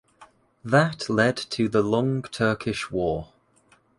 That led to the long Turkish war.